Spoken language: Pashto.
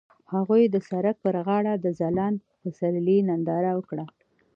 هغوی د سړک پر غاړه د ځلانده پسرلی ننداره وکړه.